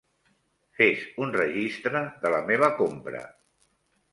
Fes un registre de la meva compra.